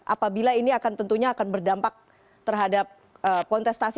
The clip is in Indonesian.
apabila ini tentunya akan berdampak terhadap kontestasi